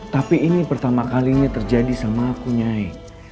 tapi ini pertama kalinya terjadi sama aku nyai